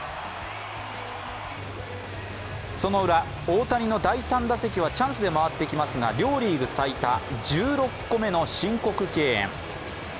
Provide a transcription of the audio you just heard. そのウラ、大谷の第３打席はチャンスで回ってきますが、両リーグ最多１６個目の申告敬遠。